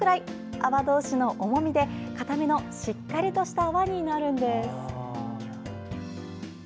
泡同士の重みで、かためのしっかりとした泡になるんです。